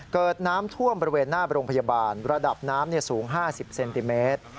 เกิดน้ำท่วมบริเวณหน้าโรงพยาบาลระดับน้ำสูง๕๐เซนติเมตร